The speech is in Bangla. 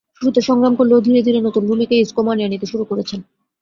শুরুতে সংগ্রাম করলেও ধীরে ধীরে নতুন ভূমিকায় ইসকো মানিয়ে নিতে শুরু করেছেন।